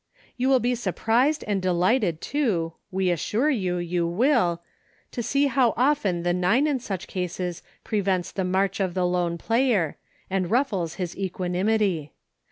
You will be surprised, and delighted too — we assure you, you will — to see how of ten the nine in such cases prevents the march of the Lone Player, and ruffles his equanimity.